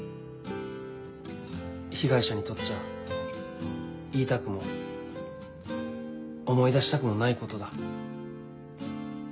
被害者にとっちゃ言いたくも思い出したくもないことだ。